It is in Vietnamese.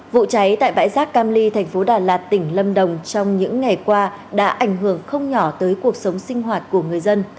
vụ cháy tại bãi rác cam ly thành phố đà lạt tỉnh lâm đồng trong những ngày qua đã ảnh hưởng không nhỏ tới cuộc sống sinh hoạt của người dân